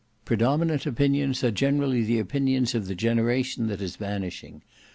Predominant opinions are generally the opinions of the generation that is vanishing.